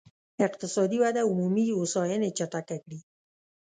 اقتصادي وده عمومي هوساينې چټکه کړي.